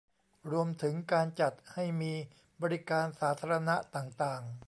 รวมถึงการจัดให้มีบริการสาธารณะต่างต่าง